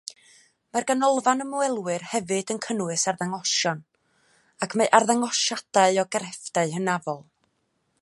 Mae'r ganolfan ymwelwyr hefyd yn cynnwys arddangosion, ac mae arddangosiadau o grefftau hynafol.